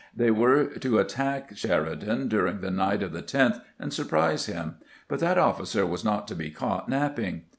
They were to attack Sheridan during the night of the 10th and surprise him; but that officer was not to be caught napping.